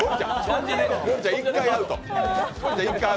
盛ちゃん一回アウト。